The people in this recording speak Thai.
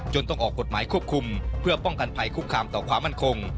ต้องออกกฎหมายควบคุมเพื่อป้องกันภัยคุกคามต่อความมั่นคง